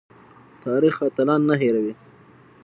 تاریخ اتلان نه هیروي